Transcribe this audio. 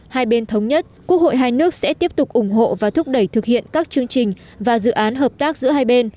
hai bên thống nhất quốc hội hai nước sẽ tiếp tục ủng hộ và thúc đẩy thực hiện các chương trình và dự án hợp tác giữa hai bên